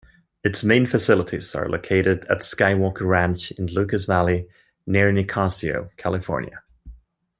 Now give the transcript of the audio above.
Its main facilities are located at Skywalker Ranch in Lucas Valley, near Nicasio, California.